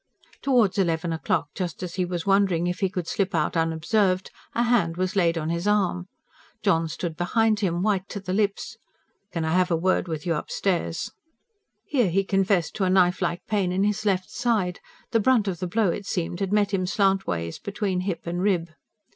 Towards eleven o'clock, just as he was wondering if he could slip out unobserved, a hand was laid on his arm. John stood behind him, white to the lips. "Can I have a word with you upstairs?" Here he confessed to a knife like pain in his left side; the brunt of the blow, it seemed, had met him slantways between rib and hip.